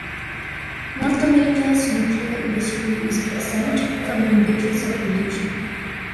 North America's nuclear industry is exempt from mandatory certification.